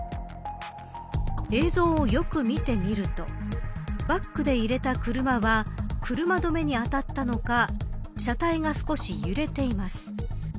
映像をよく見てみるとバックで入れた車は車止めに当たったのか車体が少し揺れています。